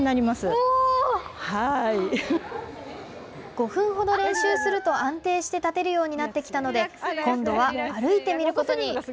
５分ほど練習すると安定して立てるようになってきたので今度は歩いてみることに。